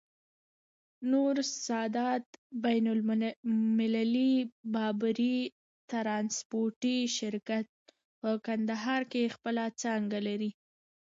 نور سادات بين المللی باربری ترانسپورټي شرکت، په کندهار کي خپله څانګه لری.